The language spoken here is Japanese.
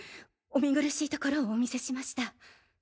お見苦しいところをお見せしました。